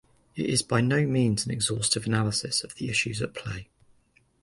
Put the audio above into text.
It is by no means an exhaustive analysis of the issues at play.